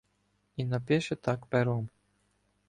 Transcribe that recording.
І напише так пером: